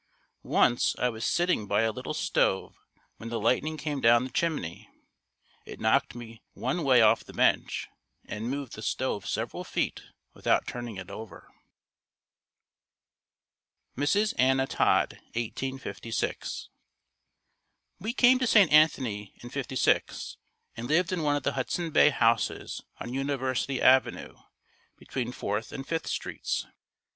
Once I was sitting by a little stove when the lightning came down the chimney. It knocked me one way off the bench and moved the stove several feet without turning it over. Mrs. Anna Todd 1856. We came to St. Anthony in '56 and lived in one of the Hudson Bay houses on University Avenue between Fourth and Fifth Streets.